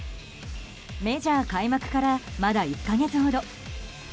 メジャー開幕からまだ１か月ほど。